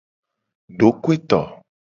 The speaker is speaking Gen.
Dokoeto.